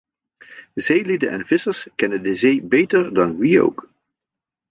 Zeelieden en vissers kennen de zee beter dan wie ook.